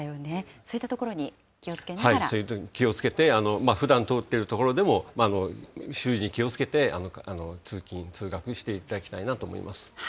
そういうところに気をつけて、ふだん通っている所でも、周囲に気をつけて通勤・通学していただきたいなと思います。